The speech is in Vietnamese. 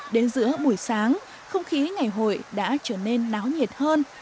đến giữa buổi sáng không khí ngày hội đã trở nên náo nhiệt hơn